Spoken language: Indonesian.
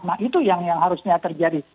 nah itu yang harusnya terjadi